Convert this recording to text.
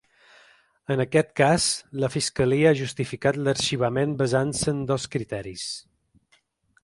En aquest cas, la fiscalia ha justificat l’arxivament basant-se en dos criteris.